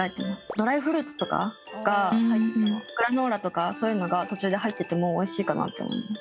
ドライフルーツとかグラノーラとかそういうのが途中で入っててもおいしいかなって思う。